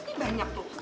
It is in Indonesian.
ini banyak tuh